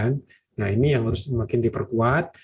nah ini yang harus semakin diperkuat